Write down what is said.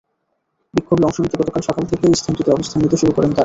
বিক্ষোভে অংশ নিতে গতকাল সকাল থেকেই স্থানটিতে অবস্থান নিতে শুরু করেন তাঁরা।